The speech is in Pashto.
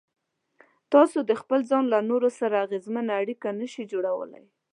تاسې د خپل ځان له نورو سره اغېزمنه اړيکه نشئ جوړولای.